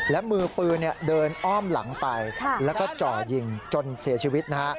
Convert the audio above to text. และมือปืนเดินอ้อมหลังไปแล้วก็จ่อยิงจนเสียชีวิตนะฮะ